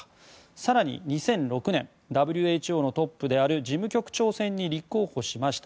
更に、２００６年ＷＨＯのトップである事務局長選に立候補しました。